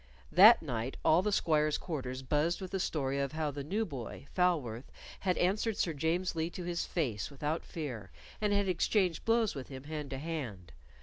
That night all the squires' quarters buzzed with the story of how the new boy, Falworth, had answered Sir James Lee to his face without fear, and had exchanged blows with him hand to hand.